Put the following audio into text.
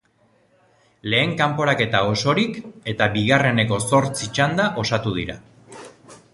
Lehen kanporaketa osorik eta bigarreneko zortzi txanda osatu dira.